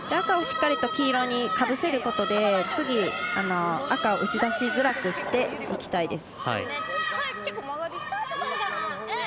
赤をしっかりと黄色にかぶせることで次、赤を打ち出しづらくしていきたいです。